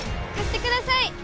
貸してください